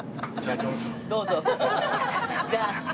どうぞ。